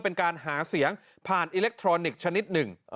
เป็นการหาเสียงผ่านอิเล็กทรอนิกส์ชนิดหนึ่ง